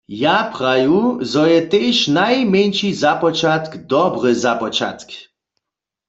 Ja praju, zo je tež najmjeńši započatk dobry započatk.